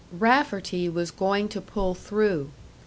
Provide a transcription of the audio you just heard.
Rafferty was going to pull through.